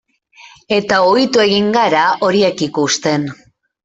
Eta ohitu egin gara horiek ikusten.